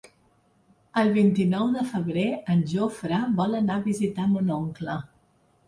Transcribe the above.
El vint-i-nou de febrer en Jofre vol anar a visitar mon oncle.